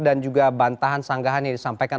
dan juga bantahan sanggahan yang disampaikan